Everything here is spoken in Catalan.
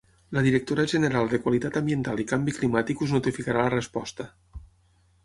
La directora general de Qualitat Ambiental i Canvi Climàtic us notificarà la resposta.